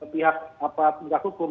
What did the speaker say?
pihak apa tindak hukum